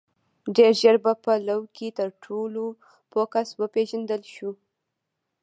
• ډېر ژر په لو کې تر ټولو پوه کس وپېژندل شو.